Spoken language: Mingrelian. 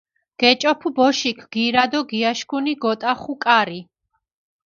გეჭოფუ ბოშიქ გირა დო გიაშქუნი, გოტახუ კარი.